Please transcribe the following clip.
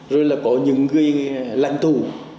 rồi là có những người lãnh thủ